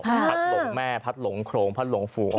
พัดหลงแม่พัดหลงโครงพัดหลงฟูอ่อนมาก